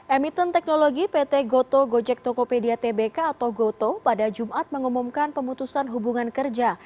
emiten teknologi pt goto gojek tokopedia tbk atau goto pada jumat mengumumkan pemutusan hubungan kerja